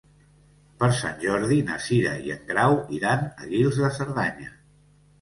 Per Sant Jordi na Cira i en Grau iran a Guils de Cerdanya.